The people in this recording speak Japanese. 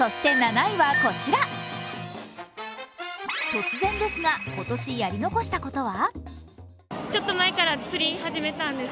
突然ですが、今年、やり残したことは？